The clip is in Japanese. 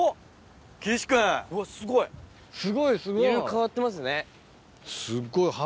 変わってますね。